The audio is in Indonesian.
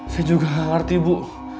saya juga gak ngerti bu